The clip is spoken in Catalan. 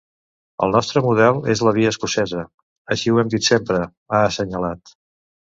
El nostre model és la via escocesa, així ho hem dit sempre, ha assenyalat.